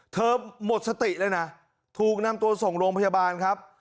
หมดสติเลยนะถูกนำตัวส่งโรงพยาบาลครับ